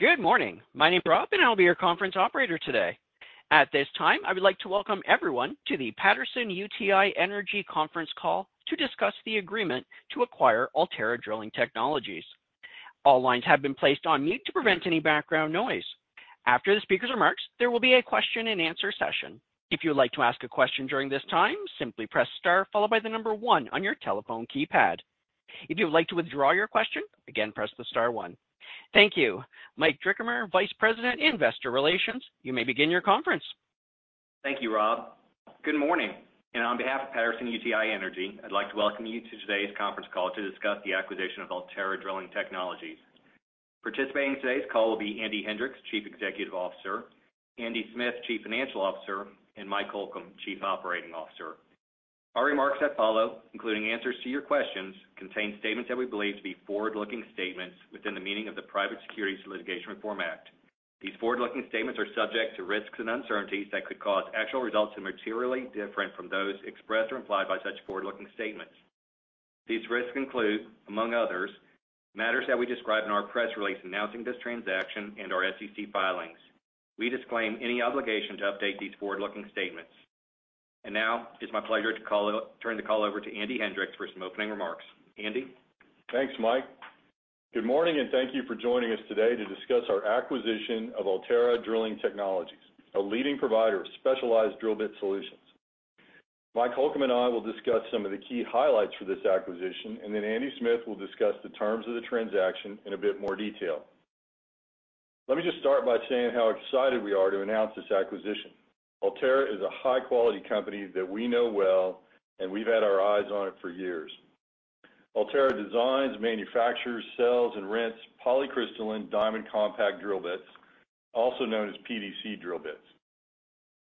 Good morning. My name is Rob. I'll be your conference operator today. At this time, I would like to welcome everyone to the Patterson-UTI Energy Conference Call to discuss the agreement to acquire Ulterra Drilling Technologies. All lines have been placed on mute to prevent any background noise. After the speaker's remarks, there will be a Q&A session. If you would like to ask a question during this time, simply press star followed by one on your telephone keypad. If you would like to withdraw your question, again, press the star one. Thank you. Mike Drickamer, Vice President, Investor Relations, you may begin your conference. Thank you, Rob. Good morning, and on behalf of Patterson-UTI Energy, I'd like to welcome you to today's conference call to discuss the acquisition of Ulterra Drilling Technologies. Participating in today's call will be Andy Hendricks, Chief Executive Officer, Andy Smith, Chief Financial Officer, and Mike Holcomb, Chief Operating Officer. Our remarks that follow, including answers to your questions, contain statements that we believe to be forward-looking statements within the meaning of the Private Securities Litigation Reform Act. These forward-looking statements are subject to risks and uncertainties that could cause actual results to be materially different from those expressed or implied by such forward-looking statements. These risks include, among others, matters that we describe in our press release announcing this transaction and our SEC filings. We disclaim any obligation to update these forward-looking statements. Now, it's my pleasure to turn the call over to Andy Hendricks for some opening remarks. Andy? Thanks, Mike. Good morning, and thank you for joining us today to discuss our acquisition of Ulterra Drilling Technologies, a leading provider of specialized drill bit solutions. Mike Holcomb and I will discuss some of the key highlights for this acquisition, and then Andy Smith will discuss the terms of the transaction in a bit more detail. Let me just start by saying how excited we are to announce this acquisition. Ulterra is a high-quality company that we know well, and we've had our eyes on it for years. Ulterra designs, manufactures, sells, and rents polycrystalline diamond compact drill bits, also known as PDC drill bits.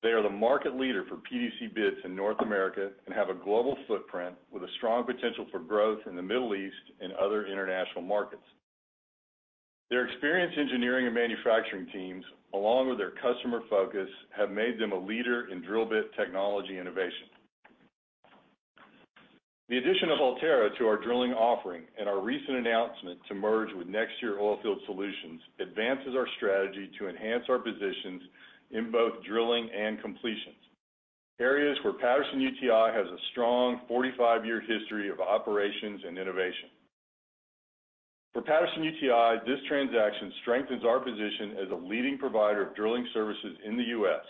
They are the market leader for PDC bits in North America and have a global footprint with a strong potential for growth in the Middle East and other international markets. Their experienced engineering and manufacturing teams, along with their customer focus, have made them a leader in drill bit technology innovation. The addition of Ulterra to our drilling offering and our recent announcement to merge with NexTier Oilfield Solutions advances our strategy to enhance our positions in both drilling and completions, areas where Patterson-UTI has a strong 45-year history of operations and innovation. For Patterson-UTI, this transaction strengthens our position as a leading provider of drilling services in the U.S.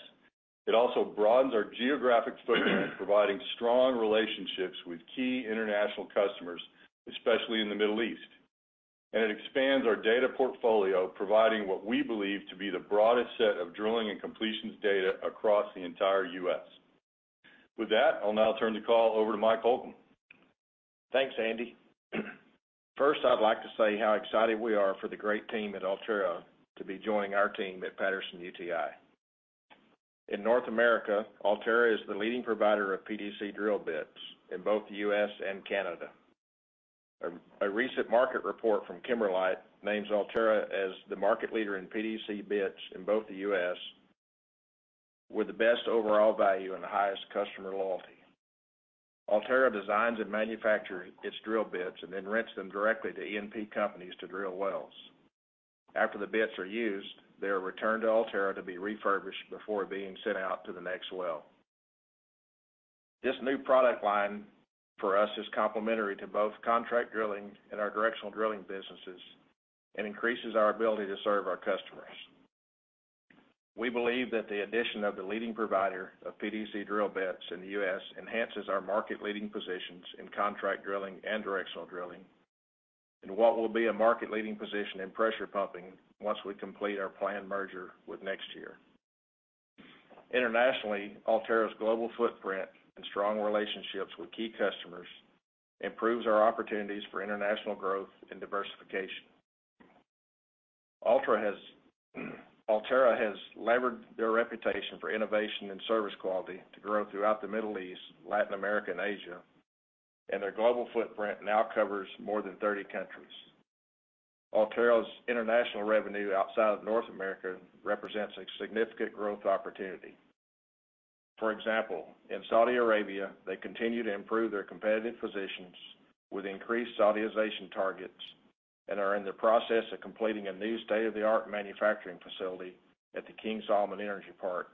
It also broadens our geographic footprint, providing strong relationships with key international customers, especially in the Middle East. It expands our data portfolio, providing what we believe to be the broadest set of drilling and completions data across the entire U.S. With that, I'll now turn the call over to Mike Holcomb. Thanks, Andy. First, I'd like to say how excited we are for the great team at Ulterra to be joining our team at Patterson-UTI. In North America, Ulterra is the leading provider of PDC drill bits in both the U.S. and Canada. A recent market report from Kimberlite names Ulterra as the market leader in PDC bits in both the U.S., with the best overall value and the highest customer loyalty. Ulterra designs and manufactures its drill bits and then rents them directly to E&P companies to drill wells. After the bits are used, they are returned to Ulterra to be refurbished before being sent out to the next well. This new product line for us is complementary to both contract drilling and our directional drilling businesses and increases our ability to serve our customers. We believe that the addition of the leading provider of PDC drill bits in the U.S. enhances our market-leading positions in contract drilling and directional drilling, and what will be a market-leading position in pressure pumping once we complete our planned merger with NexTier. Internationally, Ulterra's global footprint and strong relationships with key customers improves our opportunities for international growth and diversification. Ulterra has levered their reputation for innovation and service quality to grow throughout the Middle East, Latin America, and Asia, and their global footprint now covers more than 30 countries. Ulterra's international revenue outside of North America represents a significant growth opportunity. For example, in Saudi Arabia, they continue to improve their competitive positions with increased Saudization targets and are in the process of completing a new state-of-the-art manufacturing facility at the King Salman Energy Park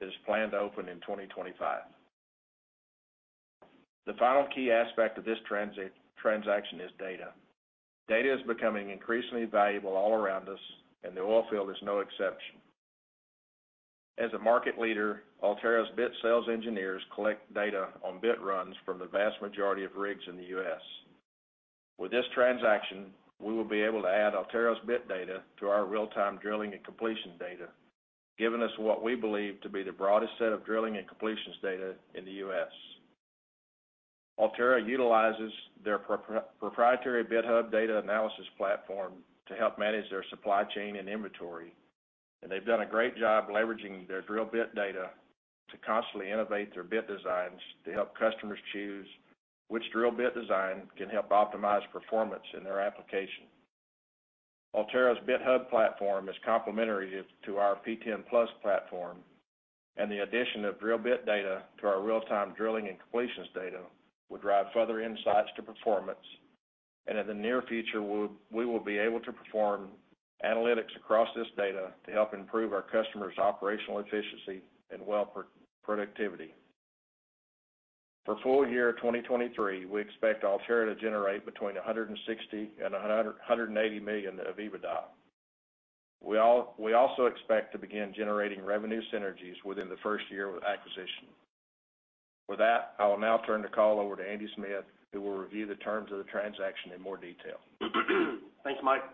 that is planned to open in 2025. The final key aspect of this transaction is data. Data is becoming increasingly valuable all around us, and the oilfield is no exception. As a market leader, Ulterra's bit sales engineers collect data on bit runs from the vast majority of rigs in the U.S. With this transaction, we will be able to add Ulterra's bit data to our real-time drilling and completion data, giving us what we believe to be the broadest set of drilling and completions data in the U.S. Ulterra utilizes their proprietary BitHub data analysis platform to help manage their supply chain and inventory, and they've done a great job leveraging their drill bit data to constantly innovate their bit designs to help customers choose which drill bit design can help optimize performance in their application. Ulterra's BitHub platform is complementary to our PTEN+ platform. The addition of drill bit data to our real-time drilling and completions data will drive further insights to performance. In the near future, we will be able to perform analytics across this data to help improve our customers' operational efficiency and well productivity. For full year 2023, we expect Ulterra to generate between $160 million and $180 million of EBITDA. We also expect to begin generating revenue synergies within the first year of acquisition. With that, I will now turn the call over to Andy Smith, who will review the terms of the transaction in more detail. Thank you, Mike.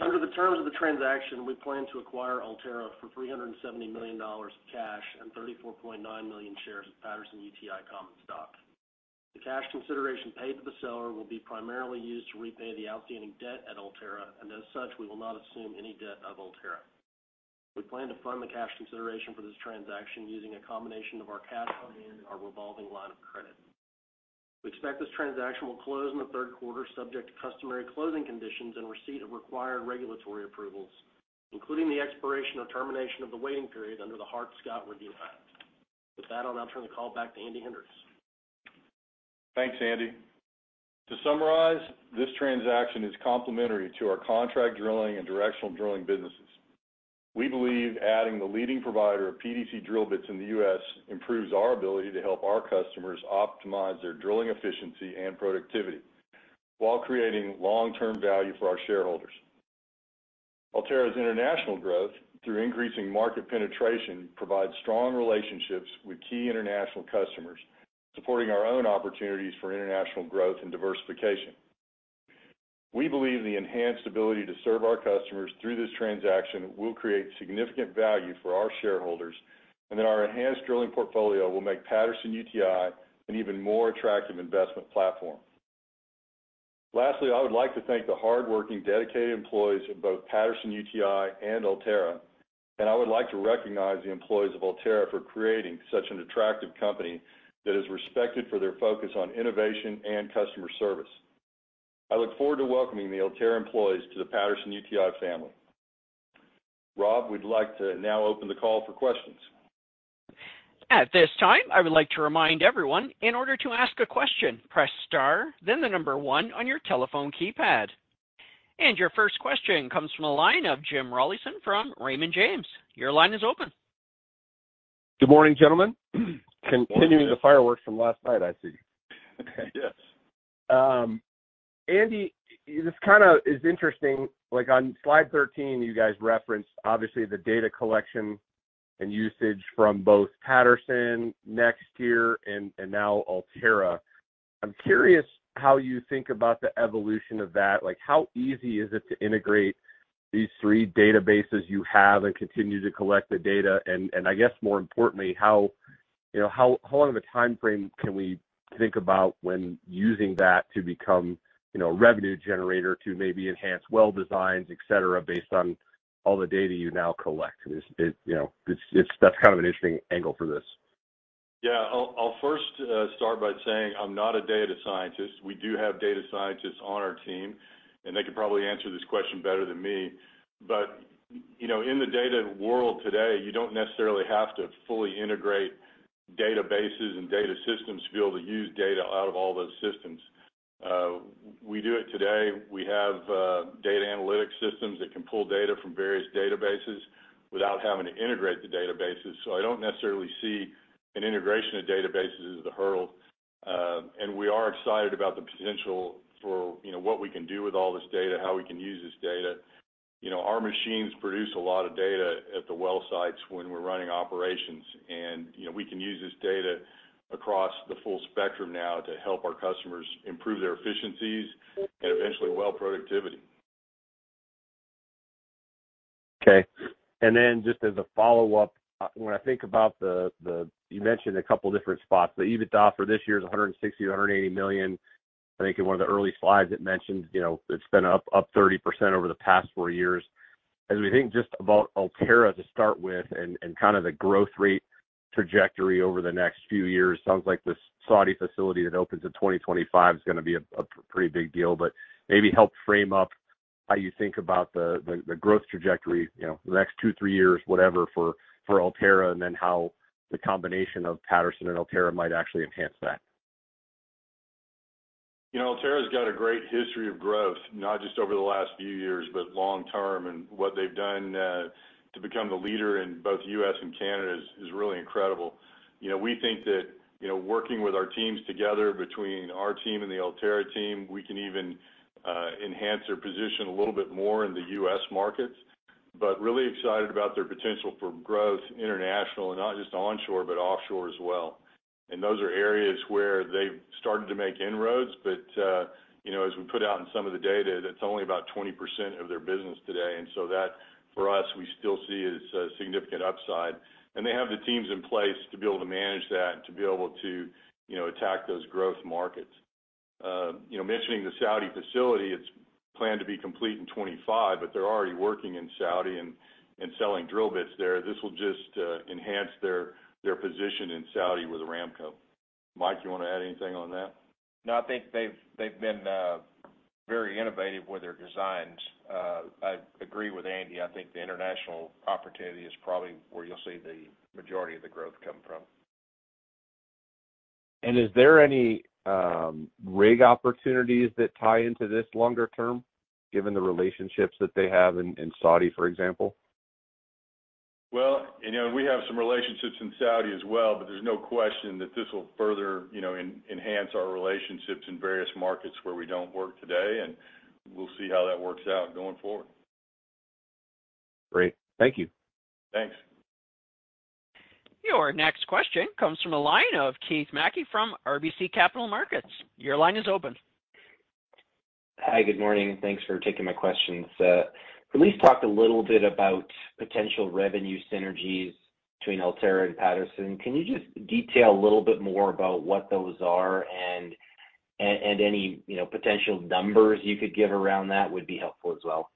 Under the terms of the transaction, we plan to acquire Ulterra for $370 million cash and 34.9 million shares of Patterson-UTI common stock. The cash consideration paid to the seller will be primarily used to repay the outstanding debt at Ulterra, and as such, we will not assume any debt of Ulterra. We plan to fund the cash consideration for this transaction using a combination of our cash on hand and our revolving line of credit. We expect this transaction will close in the third quarter, subject to customary closing conditions and receipt of required regulatory approvals, including the expiration or termination of the waiting period under the Hart-Scott Review Act. With that, I'll now turn the call back to Andy Hendricks. Thanks, Andy. To summarize, this transaction is complementary to our contract drilling and directional drilling businesses. We believe adding the leading provider of PDC drill bits in the U.S. improves our ability to help our customers optimize their drilling efficiency and productivity while creating long-term value for our shareholders. Ulterra's international growth, through increasing market penetration, provides strong relationships with key international customers, supporting our own opportunities for international growth and diversification. We believe the enhanced ability to serve our customers through this transaction will create significant value for our shareholders, and that our enhanced drilling portfolio will make Patterson-UTI an even more attractive investment platform. Lastly, I would like to thank the hardworking, dedicated employees of both Patterson-UTI and Ulterra, and I would like to recognize the employees of Ulterra for creating such an attractive company that is respected for their focus on innovation and customer service. I look forward to welcoming the Ulterra employees to the Patterson-UTI family. Rob, we'd like to now open the call for questions. At this time, I would like to remind everyone, in order to ask a question, press star, then the one on your telephone keypad. Your first question comes from the line of Jim Rollyson from Raymond James. Your line is open. Good morning, gentlemen. Continuing the fireworks from last night, I see. Yes. Andy, this kind of is interesting, like on slide 13, you guys referenced obviously the data collection and usage from both Patterson-UTI NexTier and now Ulterra. I'm curious how you think about the evolution of that. Like, how easy is it to integrate these three databases you have and continue to collect the data? I guess more importantly, how, you know, how long of a timeframe can we think about when using that to become, you know, a revenue generator to maybe enhance well designs, et cetera, based on all the data you now collect? Is it, you know, that's kind of an interesting angle for this. I'll first start by saying I'm not a data scientist. We do have data scientists on our team, and they could probably answer this question better than me, but, you know, in the data world today, you don't necessarily have to fully integrate databases and data systems to be able to use data out of all those systems. We do it today. We have data analytic systems that can pull data from various databases without having to integrate the databases. I don't necessarily see an integration of databases as the hurdle. We are excited about the potential for, you know, what we can do with all this data, how we can use this data. You know, our machines produce a lot of data at the well sites when we're running operations. You know, we can use this data across the full spectrum now to help our customers improve their efficiencies and eventually, well, productivity. Okay. Just as a follow-up, when I think about you mentioned a couple different spots. The EBITDA for this year is $160 million-$180 million. I think in one of the early slides, it mentioned, you know, it's been up 30% over the past four years. As we think just about Ulterra to start with and kind of the growth rate trajectory over the next few years, sounds like this Saudi facility that opens in 2025 is gonna be a pretty big deal, but maybe help frame up how you think about the growth trajectory, you know, the next two, three years, whatever, for Ulterra, and then how the combination of Patterson and Ulterra might actually enhance that. You know, Ulterra's got a great history of growth, not just over the last few years, but long term. What they've done to become the leader in both U.S. and Canada is really incredible. You know, we think that, you know, working with our teams together, between our team and the Ulterra team, we can even enhance their position a little bit more in the US markets, but really excited about their potential for growth international, and not just onshore, but offshore as well. Those are areas where they've started to make inroads, but, you know, as we put out in some of the data, that's only about 20% of their business today. That, for us, we still see as a significant upside. They have the teams in place to be able to manage that, to be able to, you know, attack those growth markets. You know, mentioning the Saudi facility, it's planned to be complete in 2025, but they're already working in Saudi and selling drill bits there. This will just enhance their position in Saudi with Aramco. Mike, you wanna add anything on that? No, I think they've been.... very innovative with their designs. I agree with Andy, I think the international opportunity is probably where you'll see the majority of the growth come from. Is there any rig opportunities that tie into this longer term, given the relationships that they have in Saudi, for example? Well, you know, we have some relationships in Saudi as well, but there's no question that this will further, you know, enhance our relationships in various markets where we don't work today, and we'll see how that works out going forward. Great. Thank you. Thanks. Your next question comes from the line of Keith Mackey from RBC Capital Markets. Your line is open. Hi, good morning, and thanks for taking my questions. You talked a little bit about potential revenue synergies between Ulterra and Patterson-UTI. Can you just detail a little bit more about what those are, and any, you know, potential numbers you could give around that would be helpful as well?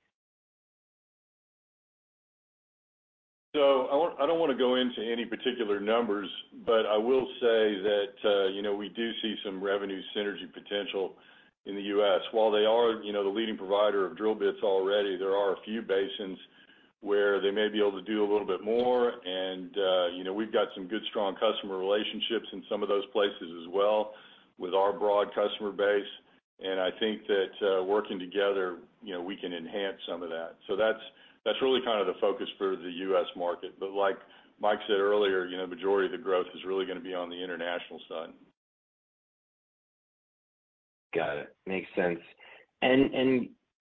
I don't wanna go into any particular numbers, but I will say that, you know, we do see some revenue synergy potential in the U.S. While they are, you know, the leading provider of drill bits already, there are a few basins where they may be able to do a little bit more, and, you know, we've got some good, strong customer relationships in some of those places as well with our broad customer base. I think that, working together, you know, we can enhance some of that. That's, that's really kind of the focus for the U.S. market. Like Mike said earlier, you know, majority of the growth is really gonna be on the international side. Got it. Makes sense.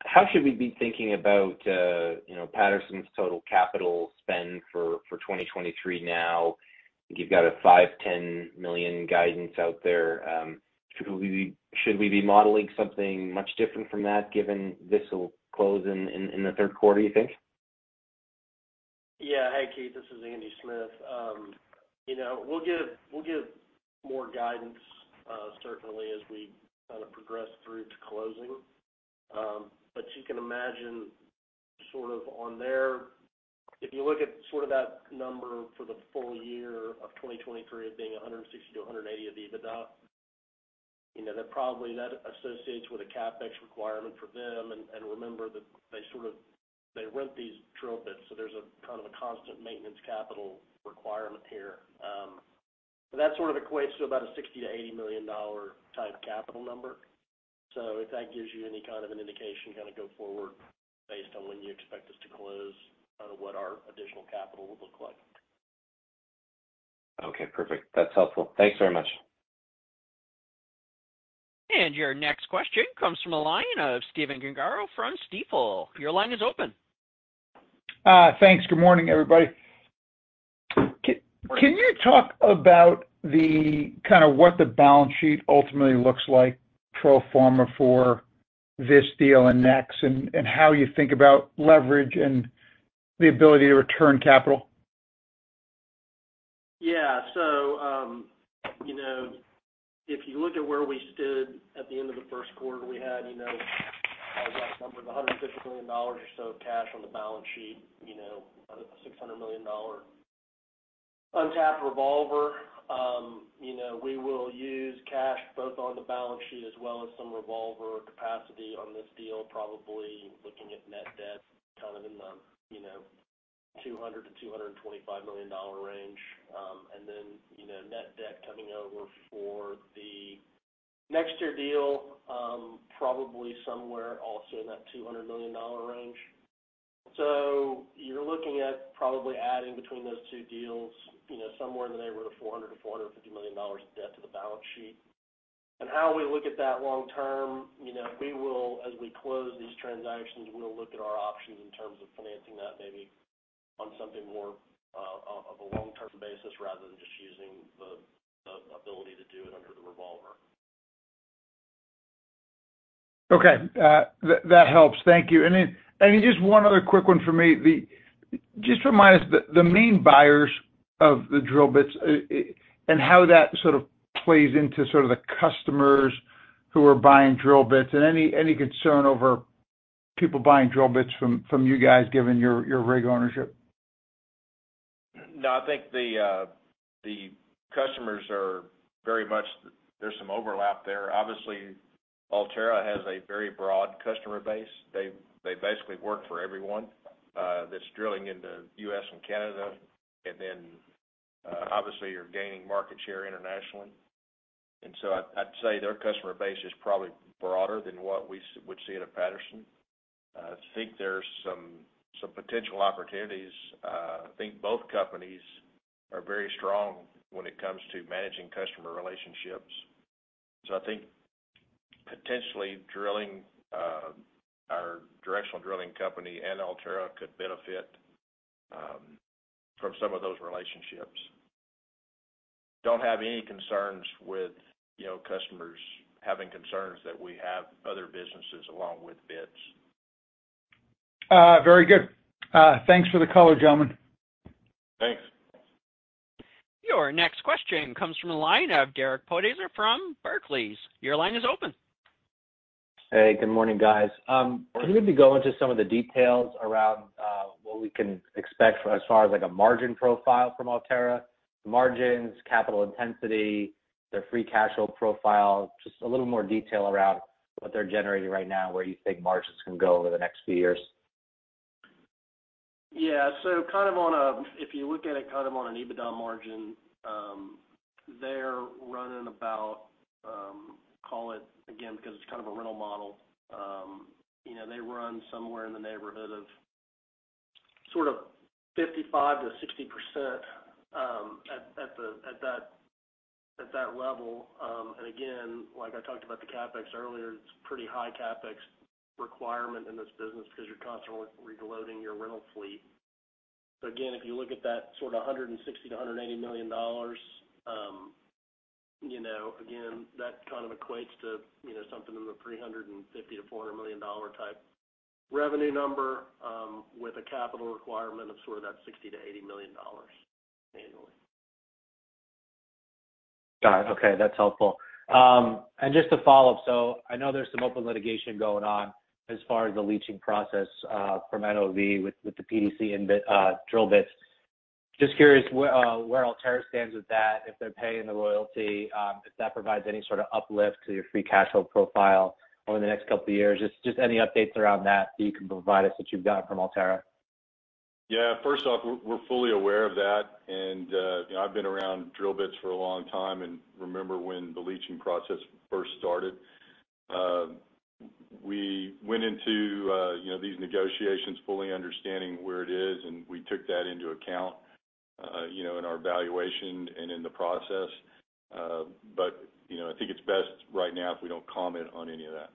How should we be thinking about, you know, Patterson's total capital spend for 2023 now? I think you've got a $510 million guidance out there. Should we be modeling something much different from that, given this will close in the third quarter, you think? Hi, Keith, this is Andy Smith. you know, we'll give more guidance, certainly as we kind of progress through to closing. You can imagine sort of on there, if you look at sort of that number for the full year of 2023 as being $160 million-$180 million of EBITDA, you know, that probably that associates with a CapEx requirement for them. Remember that they rent these drill bits, so there's a kind of a constant maintenance capital requirement here. That sort of equates to about a $60 million-$80 million type capital number. If that gives you any kind of an indication, kind of go forward based on when you expect us to close, kind of what our additional capital would look like. Okay, perfect. That's helpful. Thanks very much. Your next question comes from the line of Stephen Gengaro from Stifel. Your line is open. Thanks. Good morning, everybody. Can you talk about the kind of what the balance sheet ultimately looks like, pro forma for this deal and NexTier, and how you think about leverage and the ability to return capital? You know, if you look at where we stood at the end of the first quarter, we had, you know, numbers, $150 million or so of cash on the balance sheet, you know, $600 million untapped revolver. You know, we will use cash both on the balance sheet as well as some revolver capacity on this deal, probably looking at net debt, kind of in the, you know, $200 million-$225 million range. Then, you know, net debt coming over for the next year deal, probably somewhere also in that $200 million range. You're looking at probably adding between those two deals, you know, somewhere in the neighborhood of $400 million-$450 million of debt to the balance sheet. How we look at that long term, you know, we will as we close these transactions, we'll look at our options in terms of financing that maybe on something more of a long-term basis, rather than just using the ability to do it under the revolver. Okay. That helps. Thank you. Just one other quick one for me. Just remind us the main buyers of the drill bits, and how that plays into the customers who are buying drill bits, and any concern over people buying drill bits from you guys, given your rig ownership? No, I think the customers are very much, there's some overlap there. Obviously, Ulterra has a very broad customer base. They basically work for everyone that's drilling into U.S. and Canada, and then, obviously, you're gaining market share internationally. I'd say their customer base is probably broader than what we would see at a Patterson-UTI. I think there's some potential opportunities. I think both companies are very strong when it comes to managing customer relationships. I think potentially drilling, our directional drilling company and Ulterra could benefit from some of those relationships. Don't have any concerns with, you know, customers having concerns that we have other businesses along with bits. Very good. Thanks for the color, gentlemen. Thanks. Your next question comes from the line of Derek Podhaizer from Barclays. Your line is open. Hey, good morning, guys. Can you maybe go into some of the details?... what we can expect as far as, like, a margin profile from Ulterra? Margins, capital intensity, their free cash flow profile, just a little more detail around what they're generating right now, where you think margins can go over the next few years? Yeah. If you look at it kind of on an EBITDA margin, they're running about, call it, again, because it's kind of a rental model, you know, they run somewhere in the neighborhood of sort of 55%-60% at that level. Again, like I talked about the CapEx earlier, it's pretty high CapEx requirement in this business because you're constantly reloading your rental fleet. Again, if you look at that sort of $160 million-$180 million, you know, again, that kind of equates to, you know, something in the $350 million-$400 million type revenue number, with a capital requirement of sort of that $60 million-$80 million annually. Got it. Okay, that's helpful. Just to follow up, I know there's some open litigation going on as far as the leaching process from NOV with the PDC and bit drill bits. Just curious where Ulterra stands with that, if they're paying the royalty, if that provides any sort of uplift to your free cash flow profile over the next couple of years? Just any updates around that you can provide us that you've got from Ulterra. Yeah. First off, we're fully aware of that, and, you know, I've been around drill bits for a long time and remember when the leaching process first started. We went into, you know, these negotiations fully understanding where it is, and we took that into account, you know, in our valuation and in the process. I think it's best right now if we don't comment on any of that.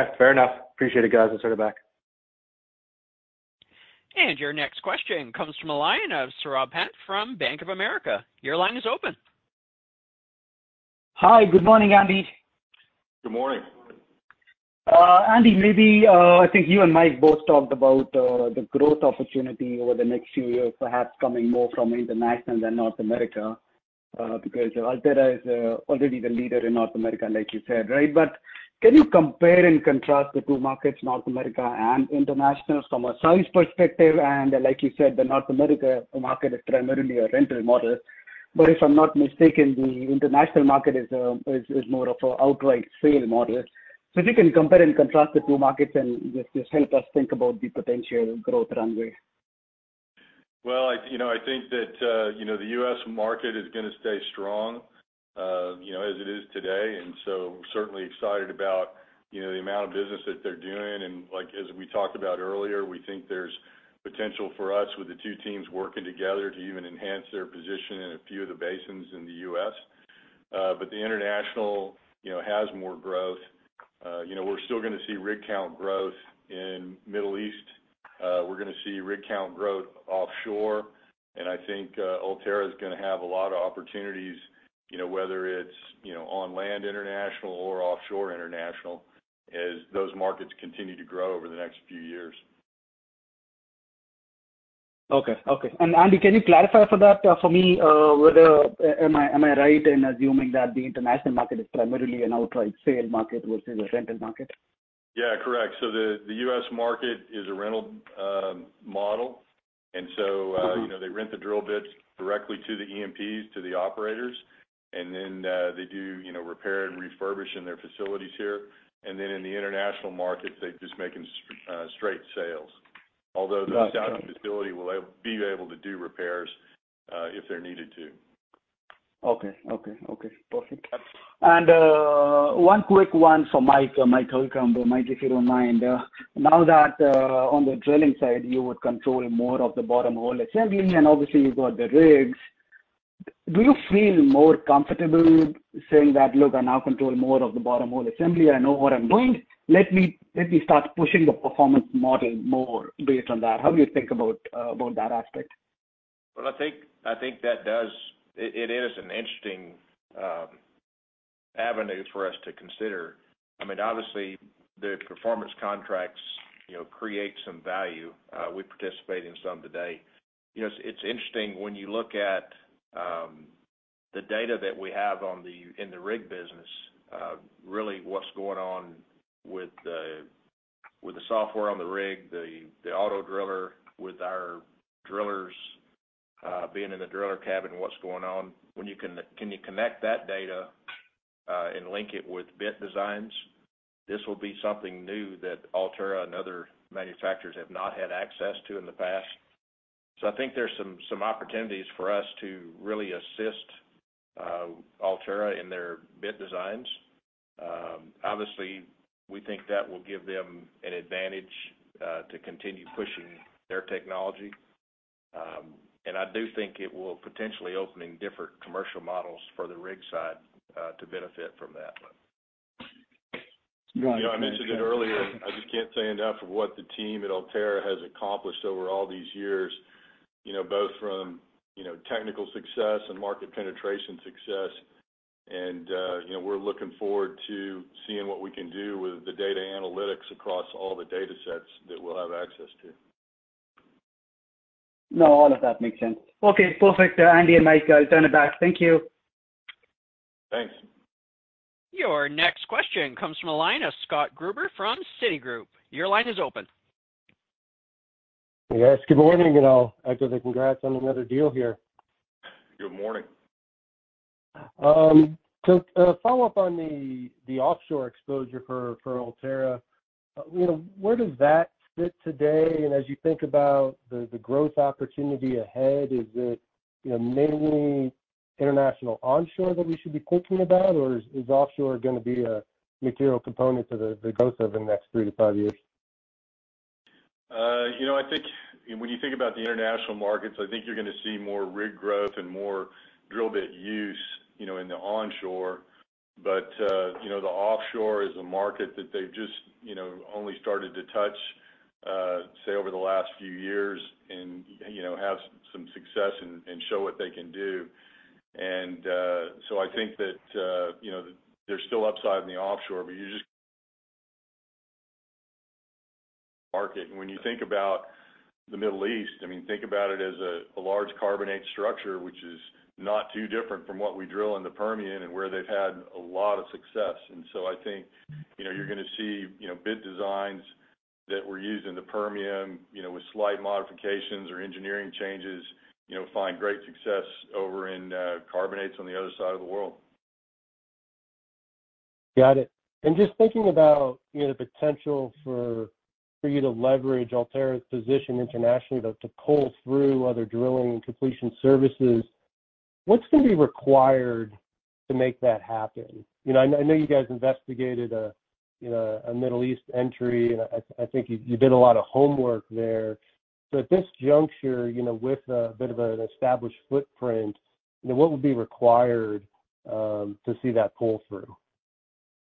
Okay, fair enough. Appreciate it, guys. I'll send it back. Your next question comes from the line of Saurabh Pant from Bank of America. Your line is open. Hi, good morning, Andy. Good morning. Andy, maybe, I think you and Mike both talked about the growth opportunity over the next few years, perhaps coming more from international than North America, because Ulterra is already the leader in North America, like you said, right? Can you compare and contrast the two markets, North America and international, from a size perspective? Like you said, the North America market is primarily a rental model, but if I'm not mistaken, the international market is a outright sale model. If you can compare and contrast the two markets and just help us think about the potential growth runway. I, you know, I think that, you know, the US market is gonna stay strong, you know, as it is today. We're certainly excited about, you know, the amount of business that they're doing. Like, as we talked about earlier, we think there's potential for us with the two teams working together to even enhance their position in a few of the basins in the U.S. The international, you know, has more growth. You know, we're still gonna see rig count growth in Middle East. We're gonna see rig count growth offshore. I think Ulterra is gonna have a lot of opportunities, you know, whether it's, you know, on land international or offshore international, as those markets continue to grow over the next few years. Okay. Okay. Andy, can you clarify for that, for me, whether am I right in assuming that the international market is primarily an outright sale market versus a rental market? Yeah, correct. The US market is a rental model. Mm-hmm. you know, they rent the drill bits directly to the E&Ps, to the operators, and then, they do, you know, repair and refurbish in their facilities here. In the international markets, they're just making straight sales. Got it. Although the Saudi facility will be able to do repairs, if they're needed to. Okay. Okay, okay, perfect. Yep. One quick one for Mike Holcomb. Mike, if you don't mind, now that on the drilling side, you would control more of the bottom hole assembly, and obviously, you've got the rigs. Do you feel more comfortable saying that, "Look, I now control more of the bottom hole assembly. I know what I'm doing. Let me start pushing the performance model more based on that"? How do you think about that aspect? Well, I think that does. It is an interesting avenue for us to consider. I mean, obviously, the performance contracts, you know, create some value. We participate in some today. You know, it's interesting when you look at the data that we have in the rig business, really what's going on with the software on the rig, the auto driller, with our drillers being in the driller cabin, what's going on? Can you connect that data and link it with bit designs, this will be something new that Ulterra and other manufacturers have not had access to in the past. I think there's some opportunities for us to really assist Ulterra in their bit designs. Obviously, we think that will give them an advantage, to continue pushing their technology. I do think it will potentially open in different commercial models for the rig side, to benefit from that one. Got it. You know, I mentioned it earlier, I just can't say enough of what the team at Ulterra has accomplished over all these years, you know, both from, you know, technical success and market penetration success, and, you know, we're looking forward to seeing what we can do with the data analytics across all the datasets that we'll have access to. No, all of that makes sense. Okay, perfect. Andy and Mike, send it back. Thank you. Our next question comes from the line of Scott Gruber from Citigroup. Your line is open. Yes, good morning, and I'll echo the congrats on another deal here. Good morning. To follow up on the offshore exposure for Ulterra, you know, where does that fit today? And as you think about the growth opportunity ahead, is it, you know, mainly international onshore that we should be thinking about, or is offshore gonna be a material component to the growth over the next 3 to 5 years? You know, I think when you think about the international markets, I think you're gonna see more rig growth and more drill bit use, you know, in the onshore. You know, the offshore is a market that they've just, you know, only started to touch, say, over the last few years and, you know, have some success and show what they can do. So I think that, you know, there's still upside in the offshore, but you just... market. When you think about the Middle East, I mean, think about it as a large carbonate structure, which is not too different from what we drill in the Permian and where they've had a lot of success. I think, you know, you're gonna see, you know, bit designs that were used in the Permian, you know, with slight modifications or engineering changes, you know, find great success over in carbonates on the other side of the world. Got it. Just thinking about, you know, the potential for you to leverage Ulterra's position internationally to pull through other drilling and completion services, what's gonna be required to make that happen? You know, I know you guys investigated a Middle East entry, and I think you did a lot of homework there. At this juncture, you know, with a bit of an established footprint, you know, what would be required to see that pull through?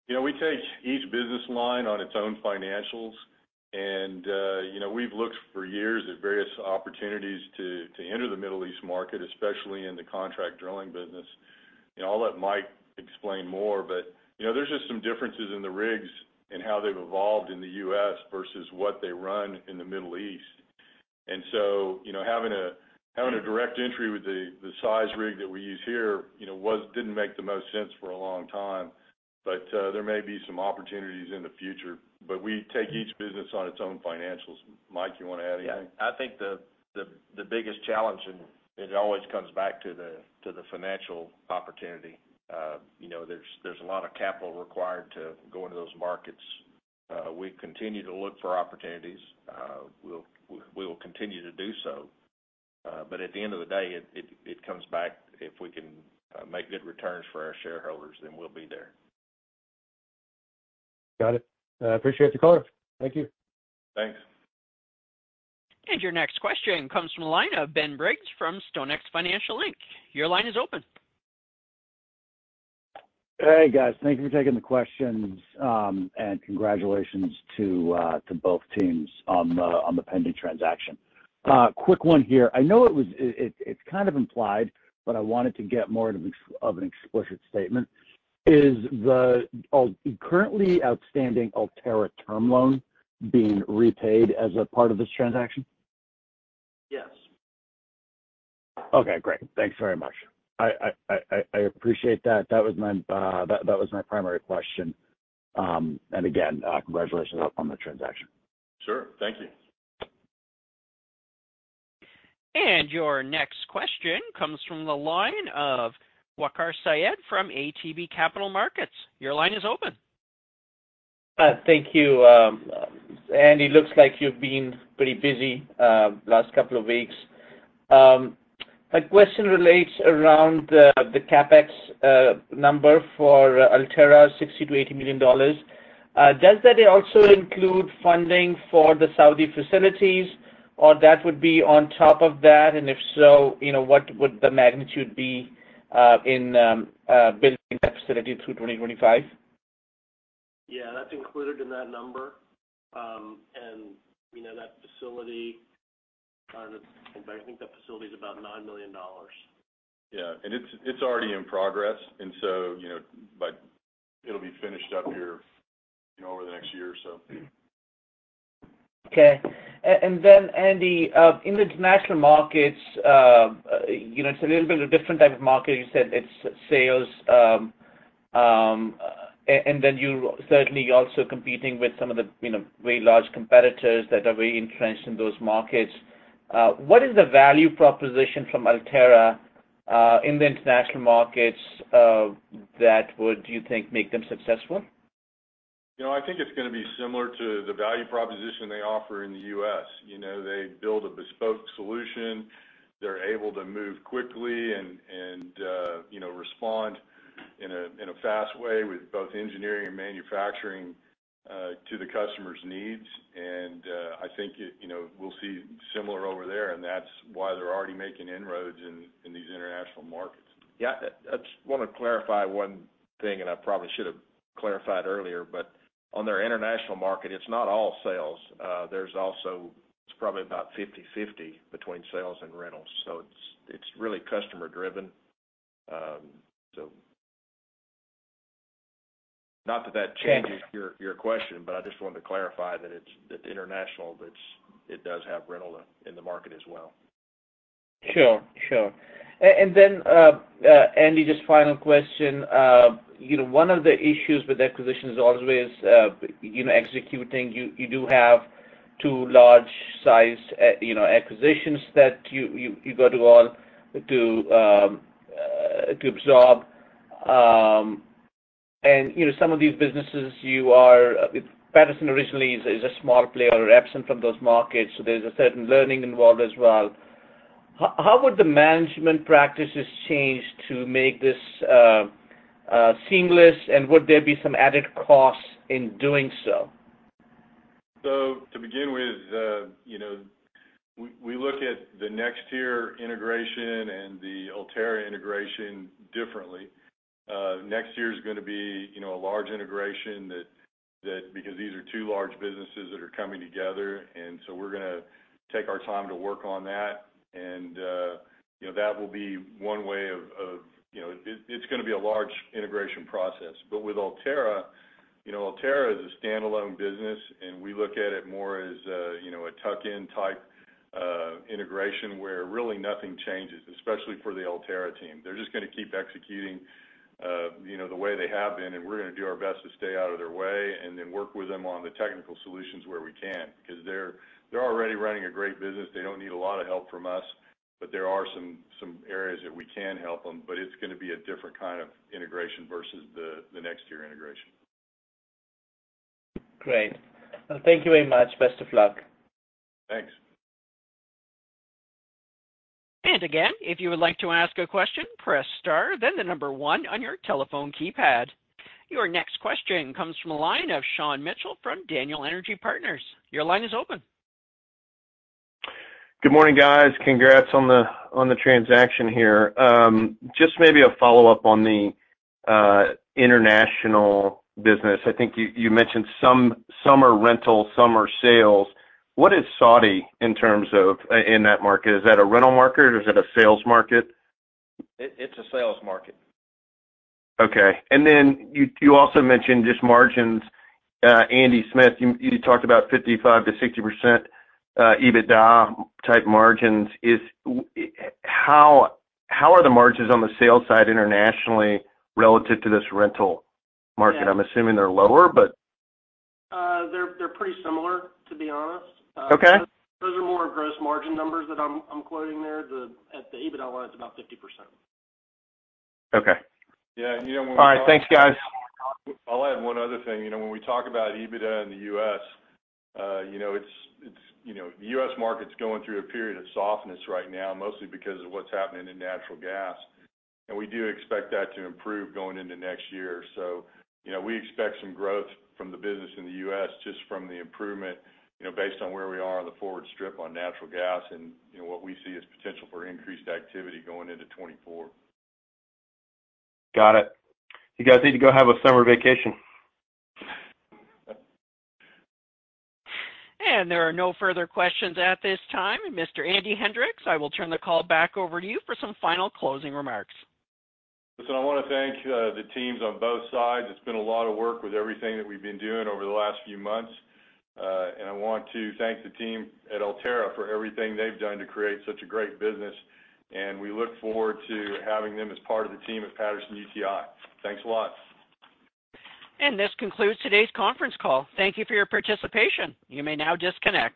You know, we take each business line on its own financials. You know, we've looked for years at various opportunities to enter the Middle East market, especially in the contract drilling business. You know, I'll let Mike explain more, but, you know, there's just some differences in the rigs and how they've evolved in the US versus what they run in the Middle East. You know, having a, having a direct entry with the size rig that we use here, you know, didn't make the most sense for a long time. There may be some opportunities in the future, but we take each business on its own financials. Mike, you wanna add anything? Yeah. I think the biggest challenge, it always comes back to the financial opportunity. You know, there's a lot of capital required to go into those markets. We continue to look for opportunities. We will continue to do so, but at the end of the day, it comes back. If we can make good returns for our shareholders, then we'll be there. Got it. appreciate the call. Thank you. Thanks. Your next question comes from the line of Ben Briggs from StoneX Financial Inc. Your line is open. Hey, guys. Thank you for taking the questions, and congratulations to both teams on the pending transaction. Quick one here. I know it's kind of implied, but I wanted to get more of an explicit statement. Is the currently outstanding Ulterra term loan being repaid as a part of this transaction? Yes. Okay, great. Thanks very much. I appreciate that. That was my primary question. Again, congratulations on the transaction. Sure. Thank you. Your next question comes from the line of Waqar Syed from ATB Capital Markets. Your line is open. Thank you, Andy, looks like you've been pretty busy last couple of weeks. My question relates around the CapEx number for Ulterra, $60 million-$80 million. Does that also include funding for the Saudi facilities, or that would be on top of that? If so, you know, what would the magnitude be in building that facility through 2025? Yeah, that's included in that number. We know that facility, I think that facility is about $9 million. It's already in progress, you know, it'll be finished up here, you know, over the next year or so. Okay. Andy, in the international markets, you know, it's a little bit of a different type of market. You said it's sales, and then you're certainly also competing with some of the, you know, very large competitors that are very entrenched in those markets. What is the value proposition from Ulterra in the international markets that would, you think, make them successful? You know, I think it's gonna be similar to the value proposition they offer in the U.S. You know, they build a bespoke solution, they're able to move quickly and, you know, respond in a fast way with both engineering and manufacturing to the customer's needs. I think, you know, we'll see similar over there, and that's why they're already making inroads in these international markets. Yeah, I just wanna clarify one thing, and I probably should have clarified earlier, but on their international market, it's not all sales. It's probably about 50/50 between sales and rentals, it's really customer driven. Not that that changes- Okay... your question, but I just wanted to clarify that international, it does have rental in the market as well. Sure, sure. Then, Andy, just final question. You know, one of the issues with acquisitions always is, you know, executing. You do have two large-sized, you know, acquisitions that you go to all to absorb. You know, some of these businesses you are, Patterson originally is a small player or absent from those markets, so there's a certain learning involved as well. How would the management practices change to make this seamless, and would there be some added costs in doing so? To begin with, you know, we look at the NexTier integration and the Ulterra integration differently. NexTier is gonna be, you know, a large integration that because these are two large businesses that are coming together, and so we're gonna take our time to work on that. And, you know, that will be one way of, you know... It, it's gonna be a large integration process. But with Ulterra, you know, Ulterra is a standalone business, and we look at it more as a, you know, a tuck-in type, integration, where really nothing changes, especially for the Ulterra team. They're just gonna keep executing, you know, the way they have been, and we're gonna do our best to stay out of their way and then work with them on the technical solutions where we can. They're already running a great business, they don't need a lot of help from us, but there are some areas that we can help them. It's gonna be a different kind of integration versus the NexTier integration. Great. Thank you very much. Best of luck. Thanks. Again, if you would like to ask a question, press star, then the one on your telephone keypad. Your next question comes from the line of Sean Mitchell from Daniel Energy Partners. Your line is open. Good morning, guys. Congrats on the transaction here. Just maybe a follow-up on the international business. I think you mentioned some are rental, some are sales. What is Saudi in terms of in that market? Is that a rental market or is it a sales market? It, it's a sales market. Okay. Then you also mentioned just margins. Andy Smith, you talked about 55%-60%, EBITDA-type margins. Is how are the margins on the sales side internationally relative to this rental market? Yeah. I'm assuming they're lower, but... They're pretty similar, to be honest. Okay. Those are more gross margin numbers that I'm quoting there. At the EBITDA line, it's about 50%. Okay. Yeah, you know, when we... All right. Thanks, guys. I'll add one other thing. You know, when we talk about EBITDA in the U.S., you know, it's, you know, the U.S. market's going through a period of softness right now, mostly because of what's happening in natural gas. We do expect that to improve going into next year. You know, we expect some growth from the business in the U.S. just from the improvement, you know, based on where we are on the forward strip on natural gas. You know, what we see is potential for increased activity going into 2024. Got it. You guys need to go have a summer vacation. There are no further questions at this time. Mr. Andy Hendricks, I will turn the call back over to you for some final closing remarks. Listen, I wanna thank the teams on both sides. It's been a lot of work with everything that we've been doing over the last few months. I want to thank the team at Ulterra for everything they've done to create such a great business, and we look forward to having them as part of the team at Patterson-UTI. Thanks a lot. This concludes today's conference call. Thank you for your participation. You may now disconnect.